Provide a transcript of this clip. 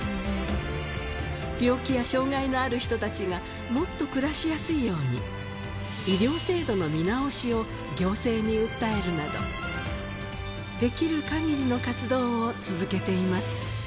病気や障がいのある人たちがもっと暮らしやすいように、医療制度の見直しを行政に訴えるなど、できるかぎりの活動を続けています。